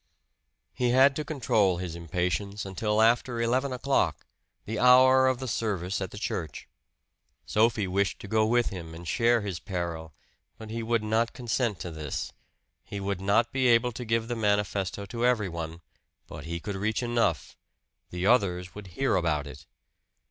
He had to control his impatience until after eleven o'clock, the hour of the service at the church. Sophie wished to go with him and share his peril, but he would not consent to this. He would not be able to give the manifesto to everyone, but he could reach enough the others would hear about it!